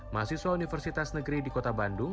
mahasiswa universitas negeri di kota bandung